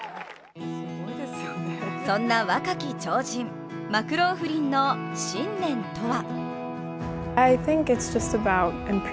そんな若き超人、マクローフリンの信念とは？